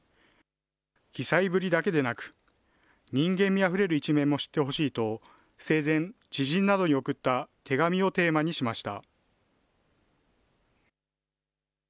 鬼才ぶりだけでなく、人間味あふれる一面も知ってほしいと、生前、知人などに送った手紙をテーマにしました。